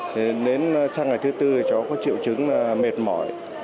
thế đến sang ngày thứ bốn thì cháu có triệu chứng mệt mỏi